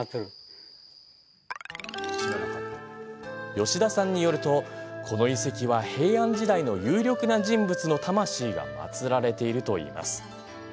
吉田さんによると、この遺跡は平安時代の有力な人物の魂が祭られているといいます。